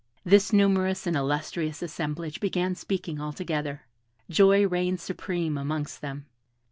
This numerous and illustrious assemblage began speaking all together. Joy reigned supreme amongst them.